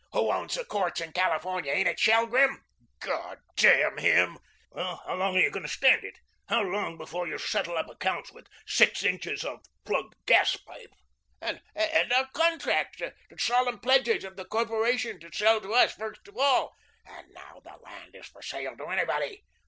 Who owns the courts in California? Ain't it Shelgrim?" "God damn him." "Well, how long are you going to stand it? How long before you'll settle up accounts with six inches of plugged gas pipe?" "And our contracts, the solemn pledges of the corporation to sell to us first of all " "And now the land is for sale to anybody."